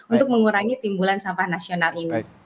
untuk mengurangi timbulan sampah nasional ini